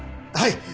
はい！